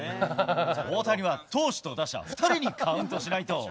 大谷は投手と打者、２人にカウントしないと。